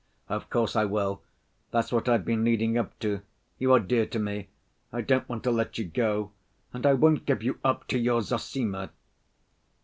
"Of course, I will; that's what I've been leading up to. You are dear to me, I don't want to let you go, and I won't give you up to your Zossima."